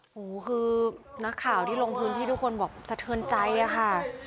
หูคือนักข่าวที่ลงพื้นที่ทุกคนบอกสะเทือนใจอะค่ะ